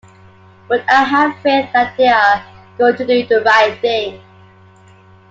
But I have faith that they are going to do the right thing.